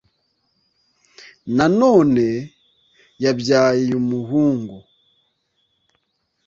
Nanone yabyayeumuhungu